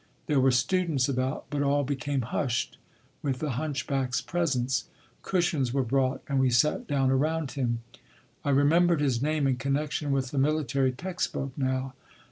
There were students about, but all became hushed with the Hunchback’s presence. Cushions were brought and we sat down around him. I remembered his name in connection with the military text book now.